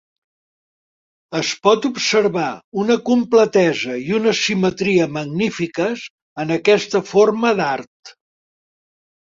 Es pot observar una completesa i una simetria magnífiques en aquesta forma d'art.